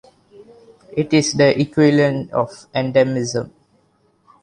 It is the equivalent of "endemism".